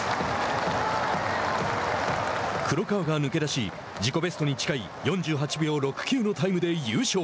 黒川が抜け出し自己ベストに近い４８秒６９のタイムで優勝。